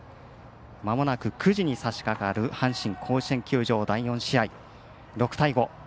まもなく９時にさしかかる阪神甲子園球場第４試合、６対５。